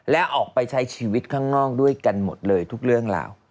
และออกไปใช้ชีวิตข้างนอกด้วยกันหมดเลยทุกเรื่องราว